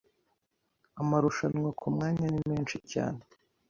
Amarushanwa kumwanya ni menshi cyane.